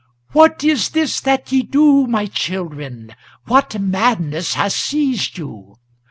"What is this that ye do, my children? what madness has seized you?